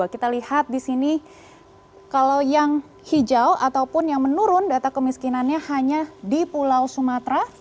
kita lihat di sini kalau yang hijau ataupun yang menurun data kemiskinannya hanya di pulau sumatera